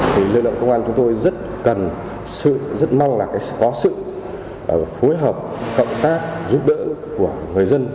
thì lưu động công an chúng tôi rất cần rất mong là có sự phối hợp cộng tác giúp đỡ của người dân